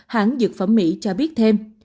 hãng dược phẩm mỹ cho biết thêm